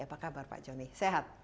apa kabar pak joni sehat